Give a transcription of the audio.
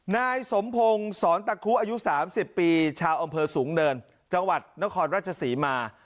นายสมพงศ์สอนตะคุอายุ๓๐ปีชาวอำเภอสูงเนินจังหวัดนครราชศรีมา